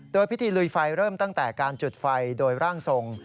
โดยพิธีลุยไฟเริ่มตั้งแต่การจุดไฟโดยร่างทรง